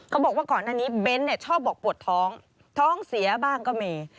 เขาบอกว่าก่อนหน้านี้เบ้นท์ชอบบอกปวดท้องท้องเสียบ้างก็ไม่